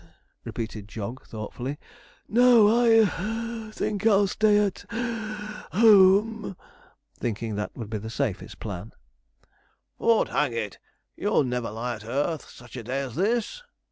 repeated Jog thoughtfully. 'No, I (puff) think I'll stay at (puff) home,' thinking that would be the safest plan. ''Ord, hang it, you'll never lie at earth such a day as this!'